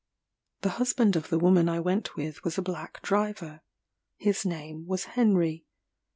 The husband of the woman I went with was a black driver. His name was Henry.